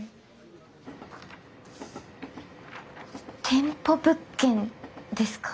店舗物件ですか。